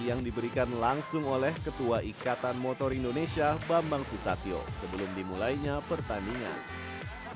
yang diberikan langsung oleh ketua ikatan motor indonesia bambang susatyo sebelum dimulainya pertandingan